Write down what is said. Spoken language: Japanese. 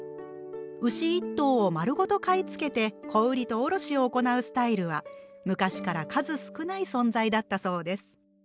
牛一頭を丸ごと買い付けて小売りと卸を行うスタイルは昔から数少ない存在だったそうです。